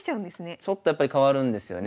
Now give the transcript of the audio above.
ちょっとやっぱり変わるんですよね。